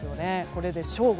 これで正午。